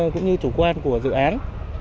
cũng như chủ quan của dự án